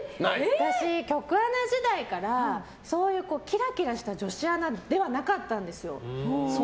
私、局アナ時代からそういうキラキラした女子アナではなかったんですよ。